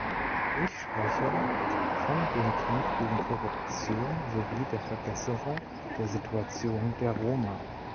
Ich spreche von dem Kampf gegen Korruption sowie der Verbesserung der Situation der Roma.